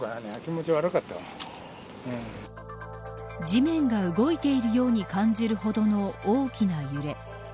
地面が動いているように感じるほどの大きな揺れ。